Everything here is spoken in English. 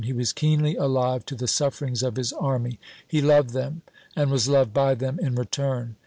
He was keenly alive to the sufferings of his army. He loved them, and was loved by them in return.